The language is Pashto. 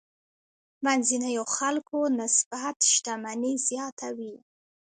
منځنيو خلکو نسبت شتمني زیاته وي.